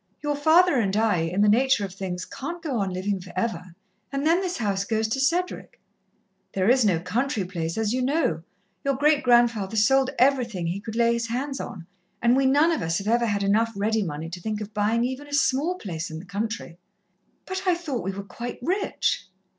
Your father and I, in the nature of things, can't go on livin' for ever, and then this house goes to Cedric. There is no country place, as you know your great grandfather sold everything he could lay his hands on, and we none of us have ever had enough ready money to think of buyin' even a small place in the country." "But I thought we were quite rich."